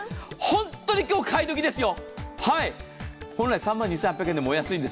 本当に今日買いドキですよ。